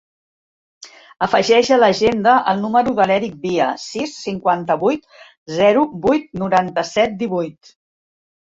Afegeix a l'agenda el número de l'Erik Via: sis, cinquanta-vuit, zero, vuit, noranta-set, divuit.